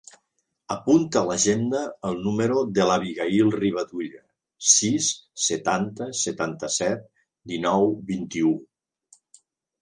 Apunta a l'agenda el número de l'Abigaïl Rivadulla: sis, setanta, setanta-set, dinou, vint-i-u.